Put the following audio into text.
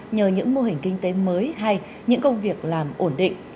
nhờ những mô hình kinh tế mới hay những công việc làm ổn định